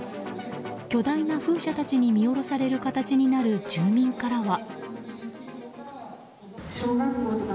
巨大な風車たちに見下ろされる形になる住民からは。